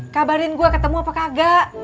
kabarin gue ketemu apa kagak